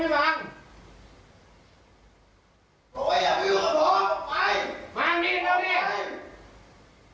ถ้าวางก็คือไม่เป็นไรคุณวางกันขึ้นแต่คนเดียว